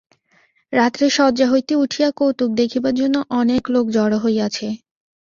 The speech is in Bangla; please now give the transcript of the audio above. রাত্রে শয্যা হইতে উঠিয়া কৌতুক দেখিবার জন্য অনেক লোক জড় হইয়াছে।